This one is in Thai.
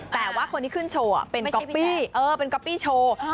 แต่ว่าคนที่ขึ้นโชว์เป็นก๊อปปี้เป็นก๊อปปี้โชว์